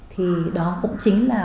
thì đó cũng chính là